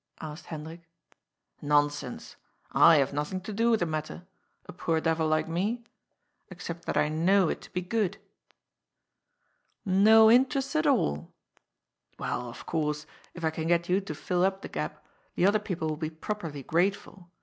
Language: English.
asked Hen drik. ^* Nonsense. I have nothing to do with the matter. A poor devil like me. Except that I know it to be good." " No interest at all?" " Well, of course, if I can get you to fill up the gap, the other people will be properly grateful.